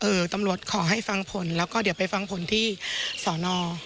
ตำรวจขอให้ฟังผลแล้วก็เดี๋ยวไปฟังผลที่สอนอ